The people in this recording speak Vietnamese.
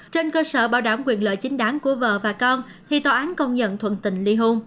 trên cơ sở bảo đảm quyền lợi chính đáng của vợ và con khi tòa án công nhận thuận tình ly hôn